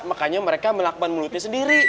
makanya mereka melakukan mulutnya sendiri